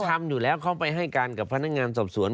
ทำอยู่แล้วเขาไปให้การกับพนักงานสอบสวน